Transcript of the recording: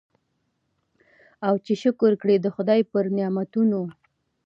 او چي شکر کړي د خدای پر نعمتونو